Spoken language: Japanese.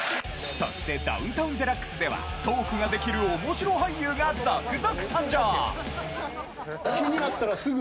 そして『ダウンタウンＤＸ』ではトークができる気になったらすぐ。